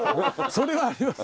それはあります！